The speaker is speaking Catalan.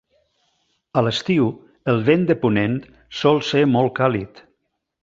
A l'estiu, el vent de ponent sol ser molt càlid.